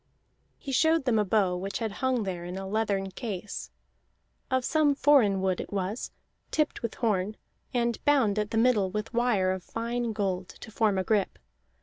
He showed them a bow which had hung there in a leathern case. Of some foreign wood it was, tipped with horn, and bound at the middle with wire of fine gold to form a grip.